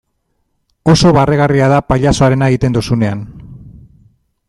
Oso barregarria da pailazoarena egiten duzunean.